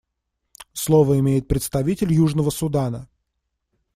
Слово имеет представитель Южного Судана.